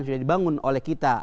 sudah dibangun oleh kita